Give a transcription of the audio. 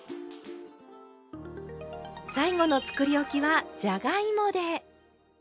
最後のつくりおきはじゃがいもで。